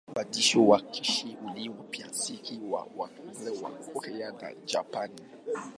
Mwandiko wa Kichina ulikuwa pia msingi wa mwandiko wa Korea na Japani.